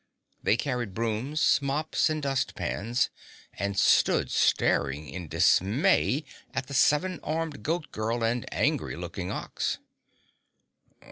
They carried brooms, mops and dust pans and stood staring in dismay at the seven armed Goat Girl and angry looking Ox.